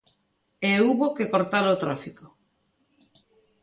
E houbo que cortala ao tráfico.